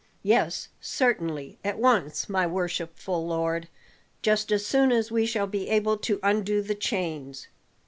"Yes, certainly, at once, my worshipful lord; just as soon as we shall be able to undo the chains.